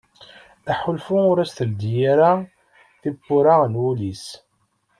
Aḥulfu ur as-teldi ara tiwwura n wul-is.